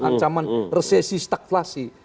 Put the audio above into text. ancaman resesi stakflasi